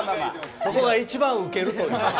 そこが一番ウケるという。